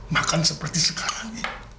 makan seperti sekarang